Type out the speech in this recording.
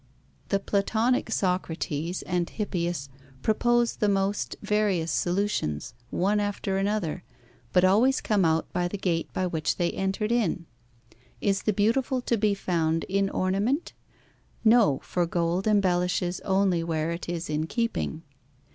The Platonic Socrates and Hippias propose the most various solutions, one after another, but always come out by the gate by which they entered in. Is the beautiful to be found in ornament? No, for gold embellishes only where it is in keeping.